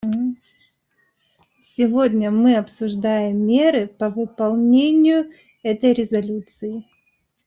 Сегодня мы обсуждаем меры по выполнению этой резолюции.